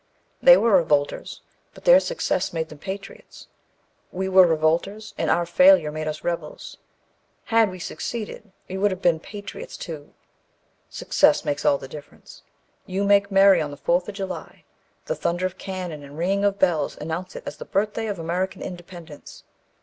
They were revolters, but their success made them patriots We were revolters, and our failure makes us rebels. Had we succeeded, we would have been patriots too. Success makes all the difference. You make merry on the 4th of July; the thunder of cannon and ringing of bells announce it as the birthday of American independence.